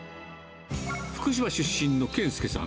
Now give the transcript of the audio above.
福島出身の研介さん。